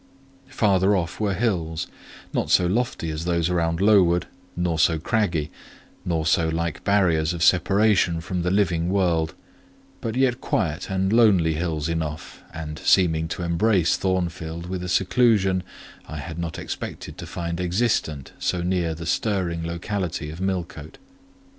Farther off were hills: not so lofty as those round Lowood, nor so craggy, nor so like barriers of separation from the living world; but yet quiet and lonely hills enough, and seeming to embrace Thornfield with a seclusion I had not expected to find existent so near the stirring locality of Millcote.